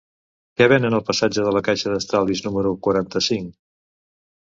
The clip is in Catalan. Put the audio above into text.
Què venen al passatge de la Caixa d'Estalvis número quaranta-cinc?